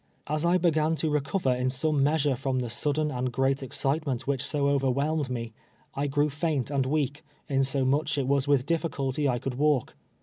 As I be gan to recover in some measure from the sudden and great excitement which so overwhelmed me, I grew faint and weak, insomuch it was with ditliculty I could walk.